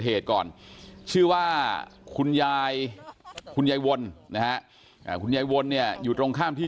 เหตุก่อนชื่อว่าคุณยายคุณยายวนนะฮะคุณยายวนเนี่ยอยู่ตรงข้ามที่